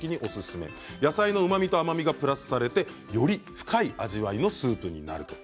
野菜のうまみと甘みがプラスされて、より深い味わいのスープになる。